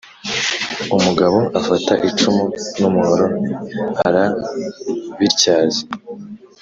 umugabo afata icumu n' umuhoro arabityaza,